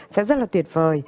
sẽ rất là tuyệt vời